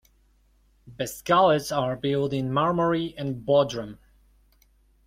Best Gulets are build in Marmaris and Bodrum.